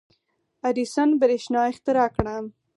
• اډیسن برېښنا اختراع کړه.